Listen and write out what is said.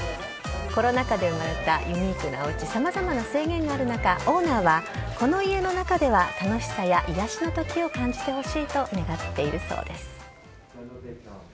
コロナ禍で生まれたユニークなおうち、さまざまな制限がある中、オーナーは、この家の中では楽しさや癒やしの時を感じてほしいと願っているそうです。